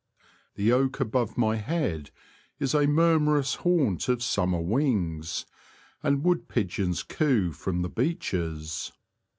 The oak above my head is a murmurous haunt of summer wings, and wood pigeons coo from the beeches.